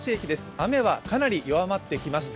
雨はかなり弱まってきました。